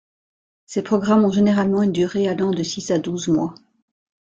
Ces programmes ont généralement une durée allant de six à douze mois.